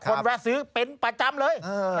แวะซื้อเป็นประจำเลย